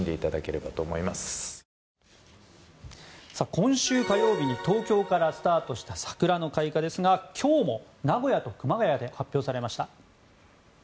今週火曜日に東京からスタートした桜開花ですが今日も名古屋と熊谷で発表されました。